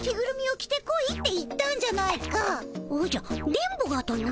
電ボがとな？